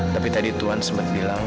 tapi tadi tuhan sempat bilang